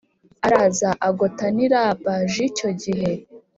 araza agota n i Raba j icyo gihe